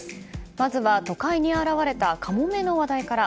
まずは都会に現れたカモメの話題から。